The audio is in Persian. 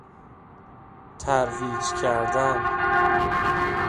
ترویج کردن